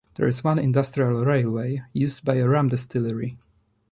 There is one industrial railway, used by a rum distillery.